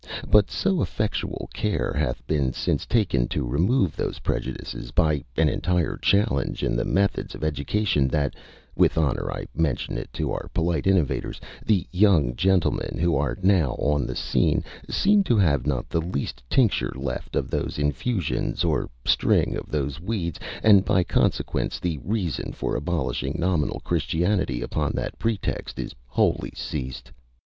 But so effectual care hath been since taken to remove those prejudices, by an entire change in the methods of education, that (with honour I mention it to our polite innovators) the young gentlemen, who are now on the scene, seem to have not the least tincture left of those infusions, or string of those weeds, and by consequence the reason for abolishing nominal Christianity upon that pretext is wholly ceased.